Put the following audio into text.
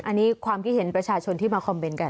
อันนี้ความคิดเห็นประชาชนที่มาคอมเมนต์กัน